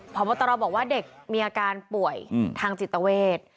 พบตรบอกว่าเด็กมีอาการป่วยทางจิตเวท